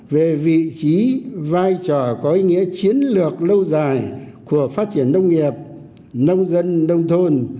về vị trí vai trò có ý nghĩa chiến lược lâu dài của phát triển nông nghiệp nông dân nông thôn